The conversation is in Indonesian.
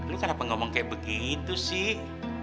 lu kenapa ngomong kayak begitu sih